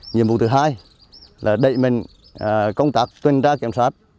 nhiệm vụ thứ hai là đẩy mình công tác tuyên trang kiểm soát